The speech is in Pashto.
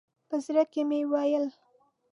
په زړه کې مې ویل.